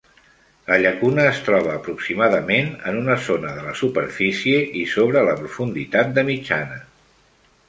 La llacuna es troba aproximadament en una zona de la superfície i sobre la profunditat, de mitjana.